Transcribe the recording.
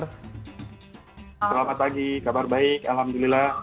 selamat pagi kabar baik alhamdulillah